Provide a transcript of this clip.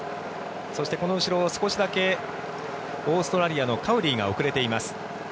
そしてこの後ろを少しだけオーストラリアのカウリーが遅れています。